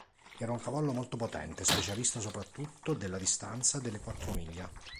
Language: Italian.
Era un cavallo molto potente, specialista soprattutto della distanza delle quattro miglia.